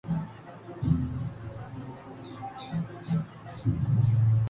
سشانت سنگھ کے والد نے بیٹے کی گرل فرینڈ کےخلاف مقدمہ کردیا